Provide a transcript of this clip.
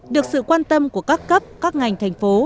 được sự quan tâm của các cấp các ngành thành phố